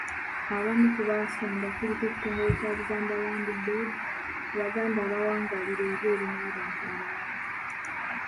Abamu ku baasonda kuliko ekitongole kya Buganda Land Board, abaganda abawangaalira ebweru n'abantu abalala.